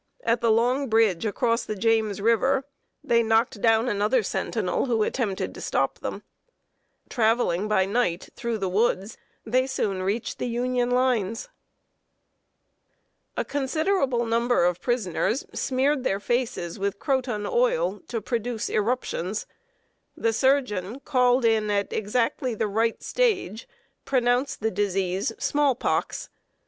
At the long bridge across the James River they knocked down another sentinel, who attempted to stop them. Traveling by night through the woods, they soon reached the Union lines. A considerable number of prisoners smeared their faces with croton oil to produce eruptions. The surgeon, called in at exactly the right stage, pronounced the disease small pox.